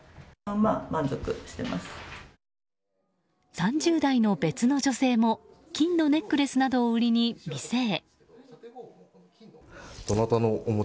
３０代の別の女性も金のネックレスなどを売りに店へ。